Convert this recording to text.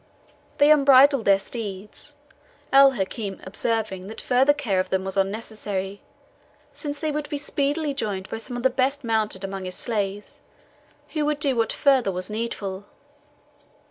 They unbridled their steeds, El Hakim observing that further care of them was unnecessary, since they would be speedily joined by some of the best mounted among his slaves, who would do what further was needful.